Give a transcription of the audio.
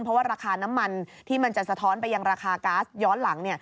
เพราะว่าราคาน้ำมันที่มันจะสะท้อนไปยังราคาก๊าซย้อนหลัง